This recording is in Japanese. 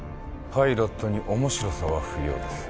パイロットに面白さは不要です。